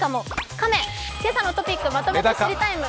カメ、「けさのトピックまとめて知りＴＩＭＥ，」